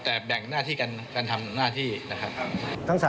แต่แบ่งหน้าที่การทำหน้าที่นะครับ